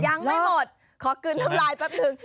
ยังไม่หมดขอกลืนลำไลน์แป๊บหนึ่ง